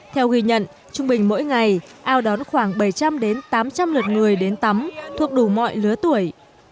theo ghi nhận trung bình mỗi ngày ao đón khoảng bảy trăm linh tám trăm linh lượt người đến tắm thuộc đủ mọi lứa tuổi